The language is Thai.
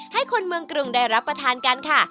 ให้คนเมืองกรุงได้รับประทานกันค่ะ